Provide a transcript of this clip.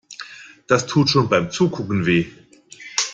Das tut schon beim Zugucken weh.